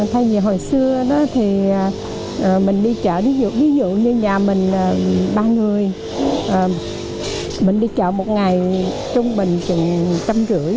thay vì hồi xưa thì mình đi chợ ví dụ ví dụ như nhà mình ba người mình đi chợ một ngày trung bình chừng trăm rưỡi